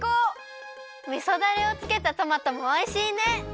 みそダレをつけたトマトもおいしいね！